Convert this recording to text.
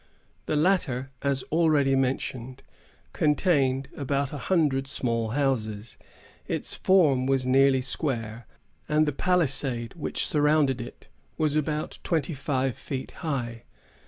The latter, as already mentioned, contained about a hundred small houses. Its form was nearly square, and the palisade which surrounded it was about twenty five feet high.